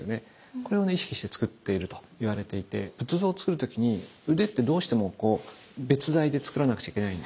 これを意識してつくっているといわれていて仏像をつくる時に腕ってどうしても別材でつくらなくちゃいけないんですね。